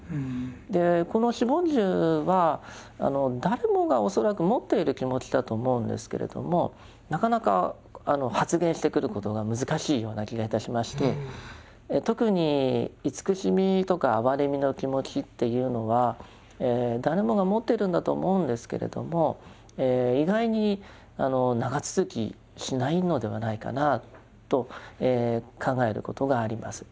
この四梵住は誰もが恐らく持っている気持ちだと思うんですけれどもなかなか発現してくることが難しいような気がいたしまして特に慈しみとか哀れみの気持ちっていうのは誰もが持っているんだと思うんですけれども意外に長続きしないのではないかなと考えることがあります。